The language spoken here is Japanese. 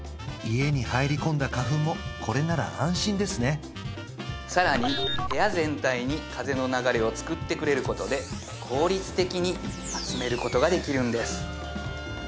家に入り込んだ花粉もこれなら安心ですね更に部屋全体に風の流れを作ってくれることで効率的に集めることができるんです